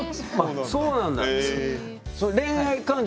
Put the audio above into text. そうなんだ。